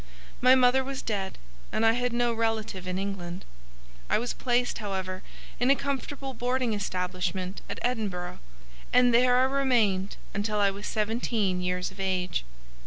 My mother was dead, and I had no relative in England. I was placed, however, in a comfortable boarding establishment at Edinburgh, and there I remained until I was seventeen years of age.